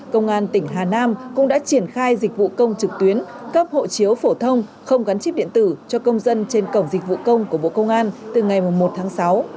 công an tỉnh hà nam cũng đã triển khai dịch vụ công trực tuyến cấp hộ chiếu phổ thông không gắn chip điện tử cho công dân trên cổng dịch vụ công của bộ công an từ ngày một tháng sáu